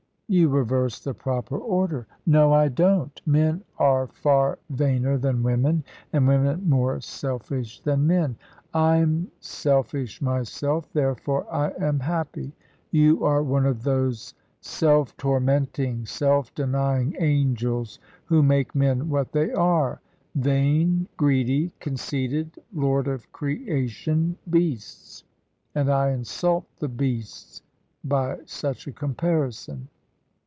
"You reverse the proper order." "No, I don't. Men are far vainer than women, and women more selfish than men. I'm selfish myself, therefore I am happy. You are one of those self tormenting, self denying angels, who make men what they are vain, greedy, conceited, lord of creation beasts. And I insult the beasts by such a comparison."